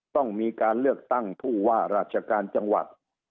ต้องมีการเลือกตั้งผู้ว่าราชการจังหวัด